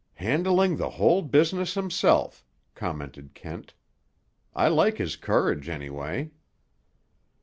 "Handling the whole business himself," commented Kent. "I like his courage, anyway."